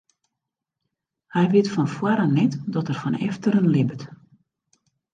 Hy wit fan foaren net dat er fan efteren libbet.